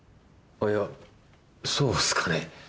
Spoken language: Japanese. いやそうっすかね。